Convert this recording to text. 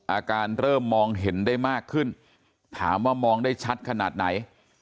อาการเริ่มมองเห็นได้มากขึ้นถามว่ามองได้ชัดขนาดไหน